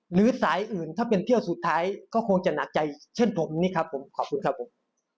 หรือสายอื่นถ้าเป็นเที่ยวสุดท้ายก็คงจะหนักใจเช่นผมนี่ครับผมขอบคุณครับผม